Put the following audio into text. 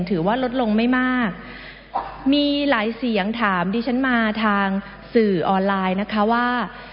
ถือว่าลดลงไม่มากมีหลายเสียงถามดิฉันมาทางสื่อออนไลน์นะคะว่า